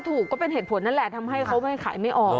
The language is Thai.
ก็เป็นเหตุผลนั่นแหละทำให้เขาไม่ขายไม่ออก